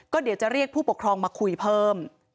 เดี๋ยวจะเรียกผู้ปกครองมาคุยเพิ่ม